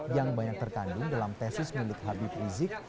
yang banyak terkandung dalam tesis milik habib rizik